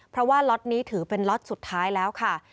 เพราะว่าล็อตนี้ถือเป็นล็อตสุดท้ายแล้วค่ะ